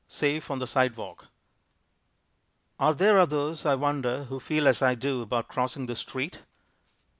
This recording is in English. Safe on the Sidewalk Are there others, I wonder, who feel as I do about crossing the street?